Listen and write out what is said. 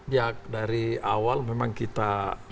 ya dari awal memang kita